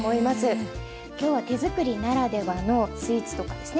今日は手づくりならではのスイーツとかですね